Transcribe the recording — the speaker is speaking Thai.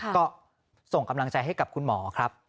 ก็ส่งกำลังใจให้กับคุณหมอครับ